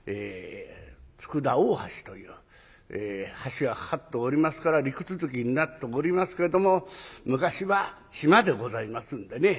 今佃大橋という橋が架かっておりますから陸続きになっておりますけれども昔は島でございますんでね